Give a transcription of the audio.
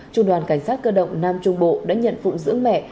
trung đoàn cảnh sát cơ động nam trung bộ đã nhận phụng dưỡng mẹ